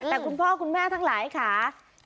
แต่คุณพ่อคุณแม่ทั้งหลายค่ะ